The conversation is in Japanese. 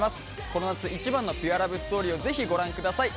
この夏一番のピュアラブストーリーをぜひご覧ください